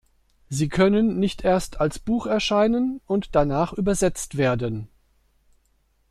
Sie können nicht erst als Buch erscheinen und danach übersetzt werden.